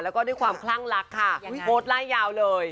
แล้วก็ด้วยความคลั่งรักค่ะโพสต์ไล่ยาวเลย